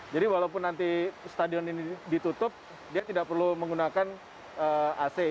jadi walaupun nanti stadion ini ditutup dia tidak perlu menggunakan ac